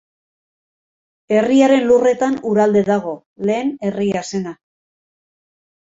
Herriaren lurretan Uralde dago, lehen herria zena.